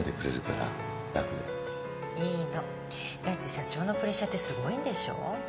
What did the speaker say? だって社長のプレッシャーってすごいんでしょ？